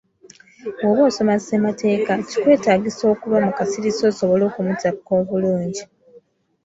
Bwoba osoma ssemateeka, kikwetaagisa okuba mu kasirise osobole okumutaputa obulungi.